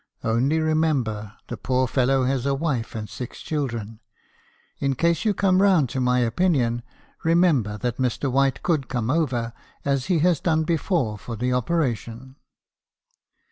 Only remember the poor fellow has a wife and six children. In case you come round to my opinion, remember that Mr. White could come over, as he has done before, for the operation.'